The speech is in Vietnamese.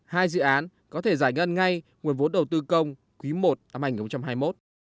hai dự án có thể giải ngân ngay nguồn vốn đầu tư công quý i năm hai nghìn hai mươi một